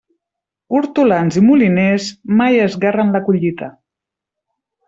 Hortolans i moliners, mai esguerren la collita.